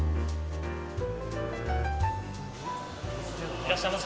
「いらっしゃいませ。